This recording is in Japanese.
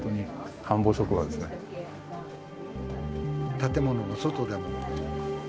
建物の外でも。